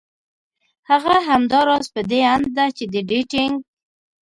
هغه همدا راز په دې اند ده چې د ډېټېنګ